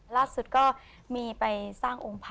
ล่าสุดก็มีไปสร้างองค์พระ